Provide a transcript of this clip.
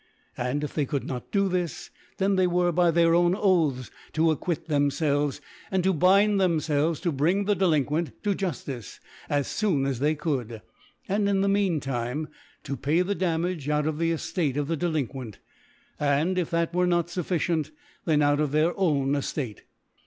And if they could not do this, thea they were by their own Oaths to acquit thent)ielves, and to bind themfdves to bnng the Dermquent to Jufticc as ^ faoo as they could ; aria, in the n^ean time to pay the Damage out of the Eftate of the Delin quent ; and if that were not fufiicicnx, then out of their own Eftate*.